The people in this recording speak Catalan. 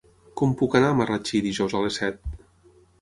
Com puc anar a Marratxí dijous a les set?